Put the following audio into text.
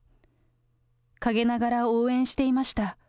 陰ながら応援していました。